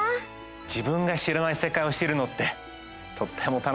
自分が知らない世界を知るのってとっても楽しいよね！